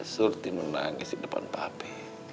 surti menangis di depan pape